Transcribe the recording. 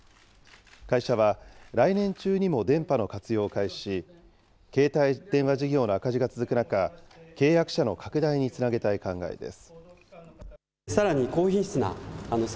会社は来年中にも電波の活用を開始し、携帯電話事業の赤字が続く中、契約者の拡大につなげたい考えです。